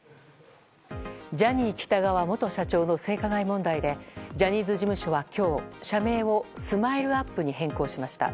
ジャニー喜多川元社長の性加害問題でジャニーズ事務所は今日社名をＳＭＩＬＥ‐ＵＰ．に変更しました。